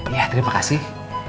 iya terima kasih